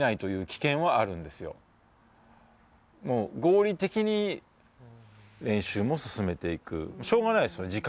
もう合理的に練習も進めていくしょうがないですよね